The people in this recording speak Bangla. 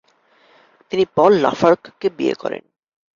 তিনি পল লাফার্গকে বিয়ে করেন।